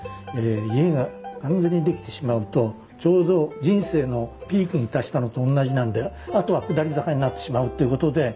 家が完全に出来てしまうとちょうど人生のピークに達したのとおんなじなんであとは下り坂になってしまうっていうことで。